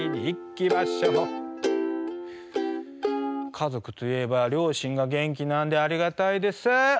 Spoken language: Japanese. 家族といえば両親が元気なんでありがたいです。